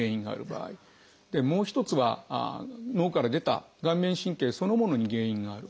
もう一つは脳から出た顔面神経そのものに原因がある。